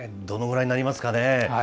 どのぐらいになりますかね。